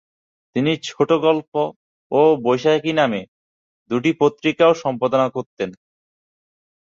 তিনি "ছোটগল্প" ও "বৈশাখী" নামে দুটি পত্রিকাও সম্পাদনা করতেন।